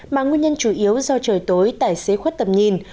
mà nguyên nhân chủ yếu do trời tối tải xế khuất tầm nhìn